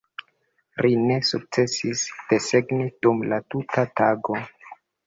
Ri ne sukcesis desegni dum la tuta tago.